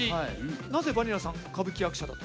なぜバニラさん歌舞伎役者だと？